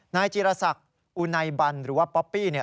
นายจีรศักดิ์อุไนบันหรือว่าป๊อปปี้